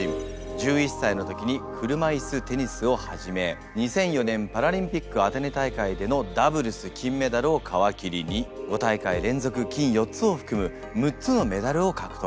１１歳の時に車いすテニスを始め２００４年パラリンピックアテネ大会でのダブルス金メダルを皮切りに５大会連続金４つを含む６つのメダルを獲得。